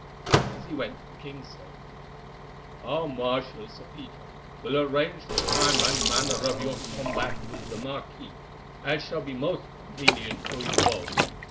As he went the king said: "Our Marshal, Sir Peter, will arrange the time and manner of your combat with the marquis as shall be most convenient to you both.